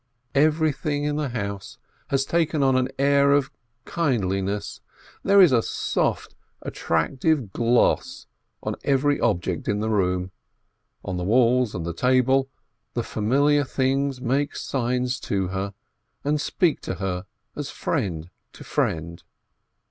Everything in the house has taken on an air of kindli ness, there is a soft, attractive gloss on every object in the room, on the walls and the table, the familiar things make signs to her, and speak to her as friend to friend.